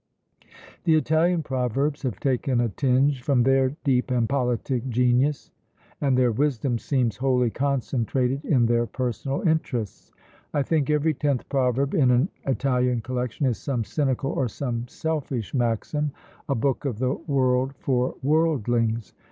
The Italian proverbs have taken a tinge from their deep and politic genius, and their wisdom seems wholly concentrated in their personal interests. I think every tenth proverb, in an Italian collection, is some cynical or some selfish maxim: a book of the world for worldlings!